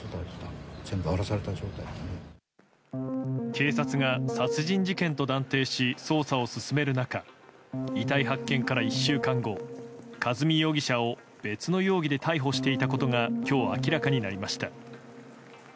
警察が殺人事件と断定し捜査を進める中遺体発見から１週間後和美容疑者を別の容疑で逮捕していたことが今日、明らかになりました。